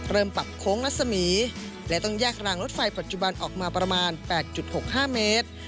ปรับโค้งรัศมีและต้องแยกรางรถไฟปัจจุบันออกมาประมาณ๘๖๕เมตร